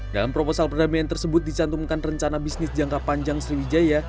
dalam proposal perdamaian tersebut dicantumkan rencana bisnis jangka panjang sriwijaya